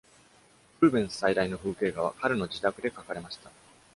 ルーベンス最大の風景画は彼の自宅で描かれました。